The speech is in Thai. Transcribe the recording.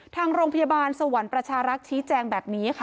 ทางโรงพยาบาลสวรรค์ประชารักษ์ชี้แจงแบบนี้ค่ะ